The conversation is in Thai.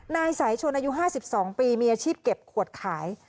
นายสายชนอายุห้าสิบสองปีมีอาชีพเก็บขวดขาย